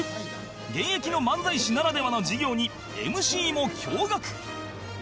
現役の漫才師ならではの授業に ＭＣ も驚愕！